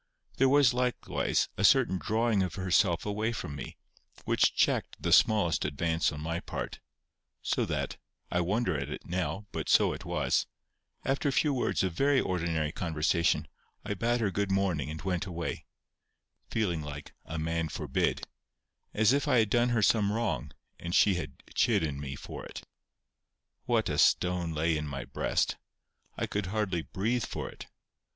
There was likewise a certain drawing of herself away from me, which checked the smallest advance on my part; so that—I wonder at it now, but so it was—after a few words of very ordinary conversation, I bade her good morning and went away, feeling like "a man forbid"—as if I had done her some wrong, and she had chidden me for it. What a stone lay in my breast! I could hardly breathe for it.